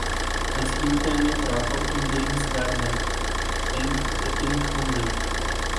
Al siguiente año trabajó con James Garner en "The Pink Jungle".